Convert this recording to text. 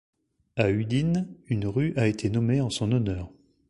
À Udine, une rue a été nommée en son honneur.